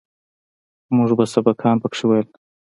موږ به سبقان پکښې ويل.